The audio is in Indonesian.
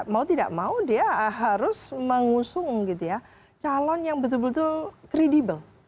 mau tidak mau dia harus mengusung calon yang betul betul credible